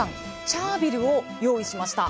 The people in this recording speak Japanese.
チャービルを用意しました